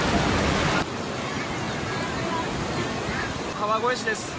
川越市です。